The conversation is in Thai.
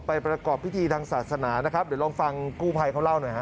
ประกอบพิธีทางศาสนานะครับเดี๋ยวลองฟังกู้ภัยเขาเล่าหน่อยฮะ